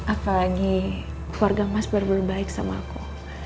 apalagi keluarga mas berbela baik sama aku